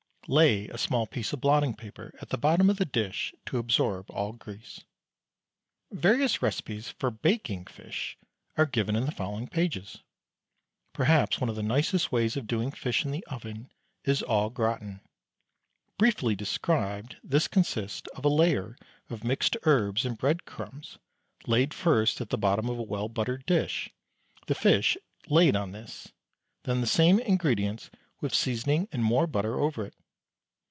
Lay a small piece of blotting paper at the bottom of the dish to absorb all grease. Various recipes for baking fish are given in the following pages. Perhaps one of the nicest ways of doing fish in the oven is au gratin. Briefly described, this consists of a layer of mixed herbs and breadcrumbs laid first at the bottom of a well buttered dish, the fish laid on this, then the same ingredients with seasoning and more butter over it.